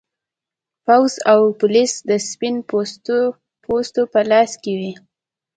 پوځ او پولیس د سپین پوستو په لاس کې و.